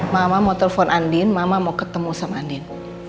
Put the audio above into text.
mama mau telepon andien mama mau ketemu sama andien